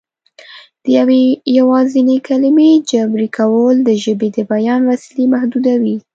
د یوې یوازینۍ کلمې جبري کول د ژبې د بیان وسیلې محدودوي